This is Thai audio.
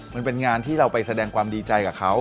มันเป็นงานที่เราไปแสดงความดีใจกับเขา